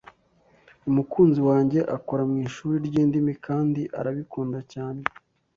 Umukunzi wanjye akora mwishuri ryindimi kandi arabikunda cyane.